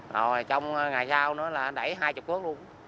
rồi trong ngày sau nó đẩy hai mươi thước luôn